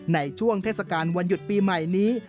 ในช่วงเทศกาลวันหยุดปีใหม่นี้